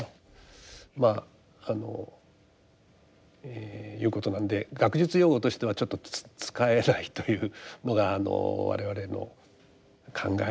まああのいうことなんで学術用語としてはちょっと使えないというのが我々の考えですね。